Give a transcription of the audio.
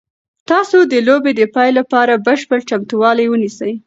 تاسو د لوبې د پیل لپاره بشپړ چمتووالی ونیسئ.